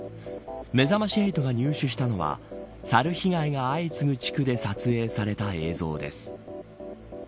めざまし８が入手したのはサル被害が相次ぐ地区で撮影された映像です。